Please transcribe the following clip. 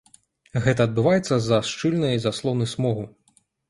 Гэта адбываецца з-за шчыльнай заслоны смогу.